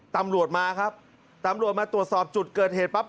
ตำรวจมาครับตำรวจมาตรวจสอบจุดเกิดเหตุปั๊บ